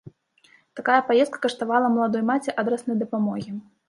Такая паездка каштавала маладой маці адраснай дапамогі.